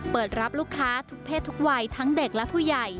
เปิดรับลูกค้าทุกเพศทุกวัยทั้งเด็กและผู้ใหญ่